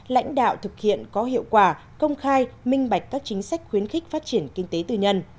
lãnh đạo thực hiện có hiệu quả công khai minh bạch các chính sách khuyến khích phát triển kinh tế tư nhân